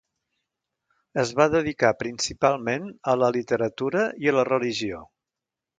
Es va dedicar principalment a la literatura i a la religió.